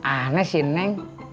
aneh sih neng